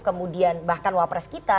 kemudian bahkan wapres kita